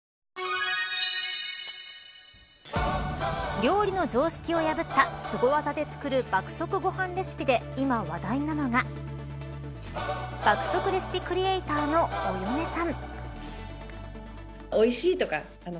料理の常識を破ったすご技で作る爆速ごはんレシピで今話題なのが爆速レシピクリエイターのおよねさん。